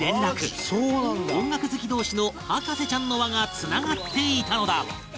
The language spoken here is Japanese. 音楽好き同士の博士ちゃんの輪がつながっていたのだ